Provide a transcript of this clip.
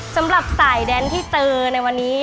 สำหรับสายแดนที่เจอในวันนี้